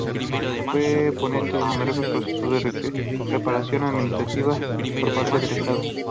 Fue ponente de numerosos procesos de Reparación administrativa por parte del estado.